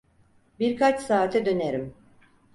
Birkaç saate dönerim.